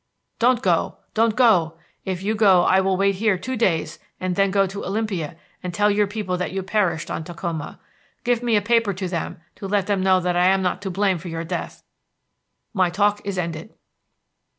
"Don't go! Don't go! If you go I will wait here two days and then go to Olympia and tell your people that you perished on Takhoma. Give me a paper to them to let them know that I am not to blame for your death. My talk is ended."